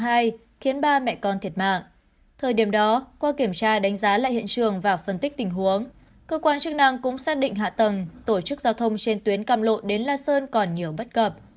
thời điểm ba mẹ con thiệt mạng thời điểm đó qua kiểm tra đánh giá lại hiện trường và phân tích tình huống cơ quan chức năng cũng xác định hạ tầng tổ chức giao thông trên tuyến cam lộ đến la sơn còn nhiều bất cập